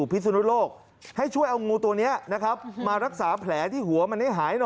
พนักงานเราแย่แน่